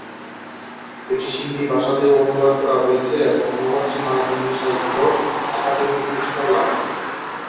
এটি সিন্ধি ভাষাতেও অনুবাদ করা হয়েছে এবং অনুবাদটি নয়াদিল্লির সাহিত্য আকাদেমি পুরস্কার লাভ করে।